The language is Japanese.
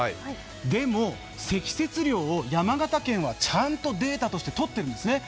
でも、積雪量を山形県はちゃんとデータとして取ってるんです。